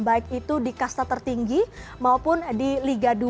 baik itu di kasta tertinggi maupun di liga dua